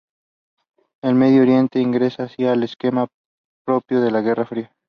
El Medio Oriente ingresa así al esquema propio de la Guerra Fría.